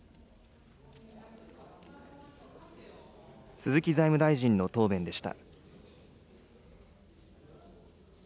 鈴木財務大臣の答弁でした。